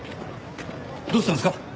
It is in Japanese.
どうしたんですか？